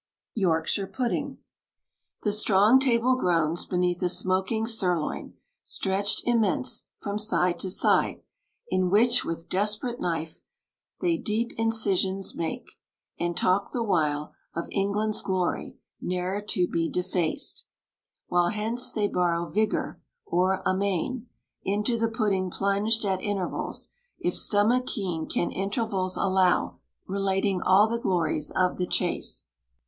YORKSHIRE PUDDING. The strong table groans Beneath the smoking sirloin, stretch'd immense From side to side; in which with desperate knife They deep incisions make, and talk the while Of England's glory, ne'er to be defaced While hence they borrow vigor; or amain Into the pudding plunged at intervals, If stomach keen can intervals allow, Relating all the glories of the chase.